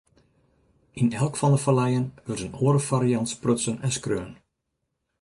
Yn elk fan de falleien wurdt in oare fariant sprutsen en skreaun.